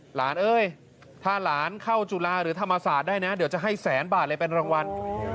หลานเยยถ้าหลานเข้าจุฬาหรือธรรมสาธิตได้นะจะให้แสนบาทเลยมาเป็นรางวัล